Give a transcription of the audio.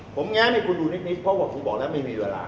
ผมแง้มให้คุณดูนิดเพราะว่าผมบอกแล้วไม่มีเวลา